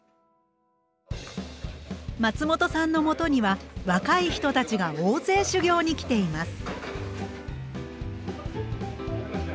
松本さんのもとには若い人たちが大勢修業に来ています。